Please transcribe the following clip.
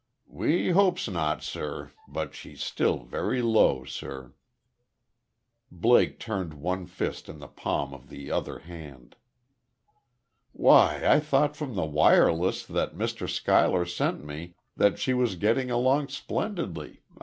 "We 'opes not, sir. But she's still very low, sir." Blake turned one fist in the palm of the other hand. "Why, I though from the wireless that Mr. Schuyler sent me that she was getting along splendidly.